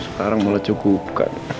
sekarang mulai cukup kan